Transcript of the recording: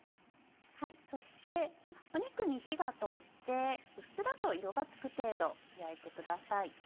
そして肉に火が通ってうっすらと色がつく程度焼いてください。